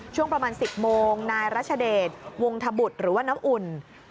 ช่วงประมาณ๑๐โมงนายรัชเดชวงธบุตรหรือว่าน้ำอุ่น